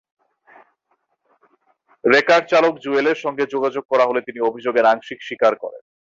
রেকারচালক জুয়েলের সঙ্গে যোগাযোগ করা হলে তিনি অভিযোগের আংশিক স্বীকার করেন।